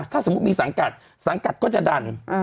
ถ้าสมมุติมีสังกัดสังกัดก็จะดัน